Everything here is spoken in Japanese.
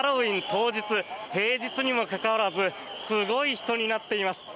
当日平日にもかかわらずすごい人になっています。